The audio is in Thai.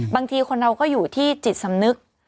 บางทีคนเราก็อยู่ที่จิตสำนึก